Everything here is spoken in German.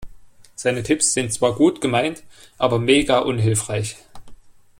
Seine Tipps sind zwar gut gemeint aber mega unhilfreich.